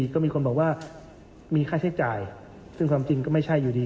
ก็มีคนบอกว่ามีค่าใช้จ่ายซึ่งความจริงก็ไม่ใช่อยู่ดี